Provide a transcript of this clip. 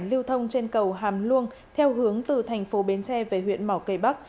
lưu thông trên cầu hàm luông theo hướng từ thành phố biến tre về huyện mỏ cầy bắc